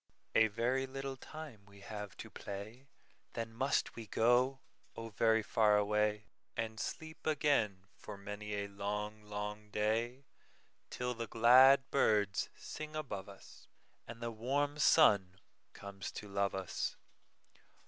"A very little time we have to play, Then must we go, oh, very far away, And sleep again for many a long, long day, Till the glad birds sing above us, And the warm sun comes to love us.